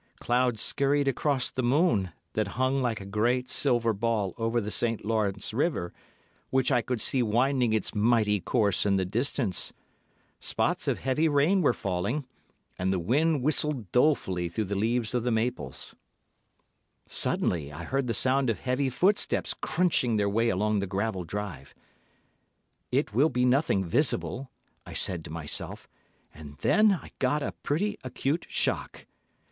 Clouds scurried across the moon, that hung like a great silver ball over the St. Lawrence River, which I could see winding its mighty course in the distance; spots of heavy rain were falling, and the wind whistled dolefully through the leaves of the maples. [Illustration: "The Thing came right up to the window, and then raised its face"] "Suddenly I heard the sound of heavy footsteps crunching their way along the gravel drive. 'It will be nothing visible,' I said to myself, and then I got a pretty acute shock.